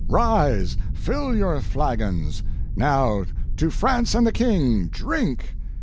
Rise! Fill your flagons! Now—to France and the King—drink!"